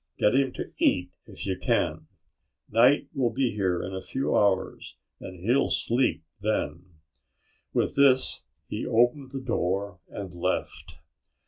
"Get him to eat, if you can. Night will be here in a few hours and he'll sleep then." With this he opened the door and left.